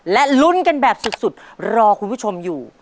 และลุ้นกันแบบสุดรอคุณผู้ชมอยู่